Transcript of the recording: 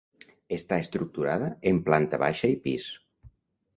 Està estructurada en planta baixa i pis.